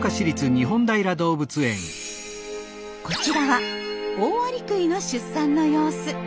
こちらはオオアリクイの出産の様子。